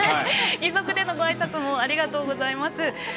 義足でのごあいさつもありがとうございます。